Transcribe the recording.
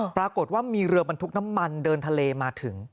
ปรากฏว่ามีเรือบรรทุกน้ำมันเดินทะเลมาถึง